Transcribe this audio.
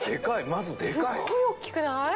まずでかい。